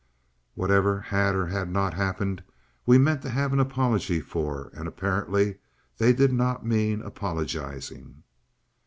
Whatever had or had not happened we meant to have an apology for, and apparently they did not mean apologizing.